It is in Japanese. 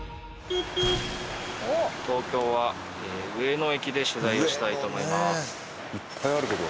東京は上野駅で取材をしたいと思います。